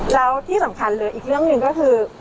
แล้วที่สำคัญเหลืออีกเรื่องหนึ่งก็คือ